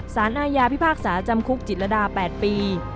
สารอาญาพิพากษาจำคุกจิตรดา๘ปี